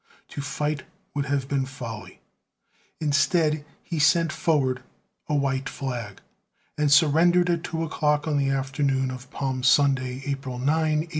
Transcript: To fight would have been folly; instead, he sent forward a white flag, and surrendered at two o'clock on the afternoon of Palm Sunday, April 9, 1865.